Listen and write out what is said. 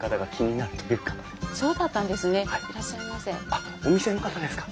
あっお店の方ですか？